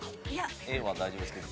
Ａは大丈夫ですけど。